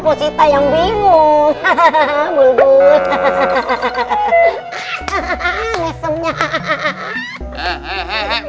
positai yang bingung